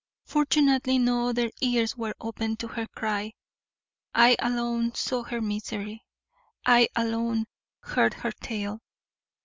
Fortunately no other ears were open to her cry. I alone saw her misery. I alone heard her tale.